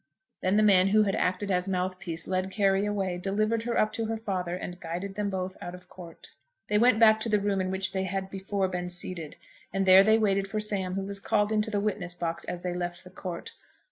Then the man who had acted as mouthpiece led Carry away, delivered her up to her father, and guided them both out of court. They went back to the room in which they had before been seated, and there they waited for Sam, who was called into the witness box as they left the court.